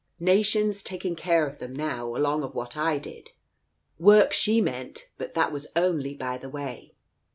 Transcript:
Nation's taking care of them now, along of what I did. Work, she meant, but that was only by the way.